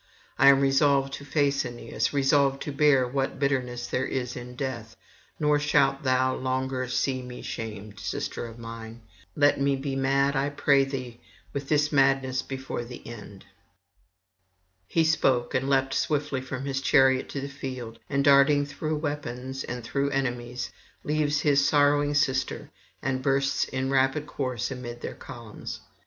I am resolved to face Aeneas, resolved to bear what bitterness there is in death; nor shalt thou longer see me shamed, sister of mine. Let me be mad, I pray thee, with this madness before the end.' He spoke, and leapt swiftly from his chariot to the field, and darting through weapons [682 718]and through enemies, leaves his sorrowing sister, and bursts in rapid course amid their columns.